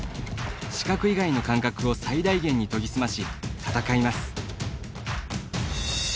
視覚以外の感覚を最大限に研ぎ澄まし、戦います。